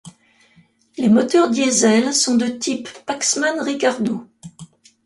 Les moteurs Diesel sont de type Paxman-Ricardo.